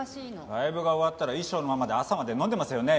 ライブが終わったら衣装のまんまで朝まで飲んでますよね